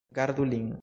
Gardu lin!